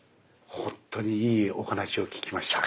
本当にいいお話を聞きました。